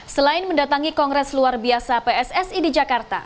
selain mendatangi kongres luar biasa pssi di jakarta